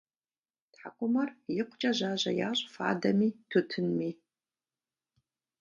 ТхьэкӀумэр икъукӀэ жьажьэ ящӀ фадэми тутынми.